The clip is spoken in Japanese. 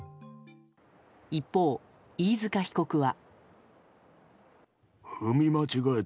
一方、飯塚被告は。